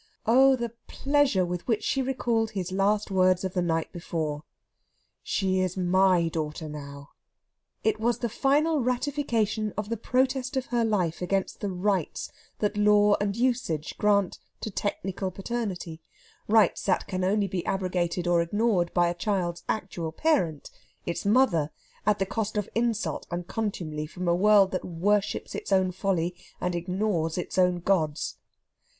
Oh, the pleasure with which she recalled his last words of the night before: "She is my daughter now!" It was the final ratification of the protest of her life against the "rights" that Law and Usage grant to technical paternity; rights that can only be abrogated or ignored by a child's actual parent its mother at the cost of insult and contumely from a world that worships its own folly and ignores its own gods.